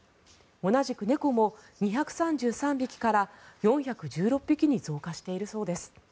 同じく猫も２３３匹から４１６匹に増加しているそうです。